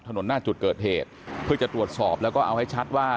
หน้าจุดเกิดเหตุเพื่อจะตรวจสอบแล้วก็เอาให้ชัดว่า